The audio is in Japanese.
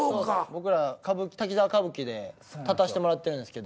僕ら「滝沢歌舞伎」で立たせてもらってるんですけど。